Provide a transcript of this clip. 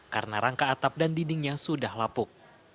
karena rangka atap dan dindingnya sudah lapuk